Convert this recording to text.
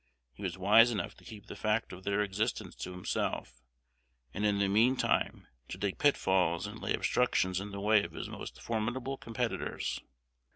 He was wise enough to keep the fact of their existence to himself, and in the mean time to dig pitfalls and lay obstructions in the way of his most formidable competitors.